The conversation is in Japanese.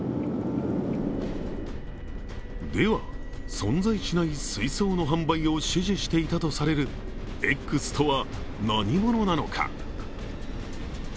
では、存在しない水槽の販売を指示していたとされるＸとは何者なのか？